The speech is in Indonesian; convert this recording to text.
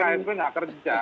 bagi saya ksp gak kerja